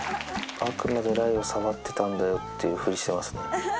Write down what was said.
あくまで雷を触ってたんだよっていうふりしてますね。